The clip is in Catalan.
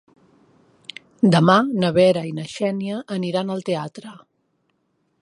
Demà na Vera i na Xènia aniran al teatre.